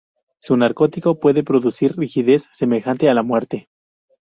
Su narcótico puede producir una rigidez semejante a la muerte.